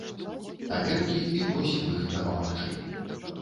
Амерыкі і просім іх дапамагчы.